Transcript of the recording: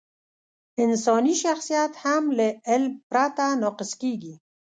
انساني شخصیت هم له علم پرته ناقص کېږي.